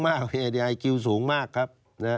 มีไอคิวสูงมากครับ